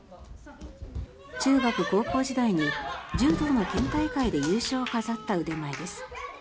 中学、高校時代に柔道の県大会で優勝を飾った腕前です。